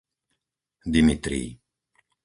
Dimitrij